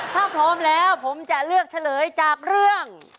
ถ้าพร้อมแล้วผมจะเลือกเฉลยจากเรื่อง